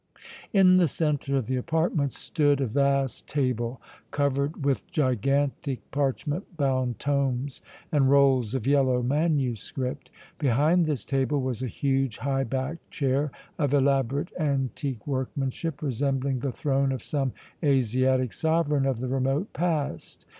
In the centre of the apartment stood a vast table covered with gigantic parchment bound tomes and rolls of yellow manuscript. Behind this table was a huge, high backed chair of elaborate antique workmanship resembling the throne of some Asiatic sovereign of the remote past.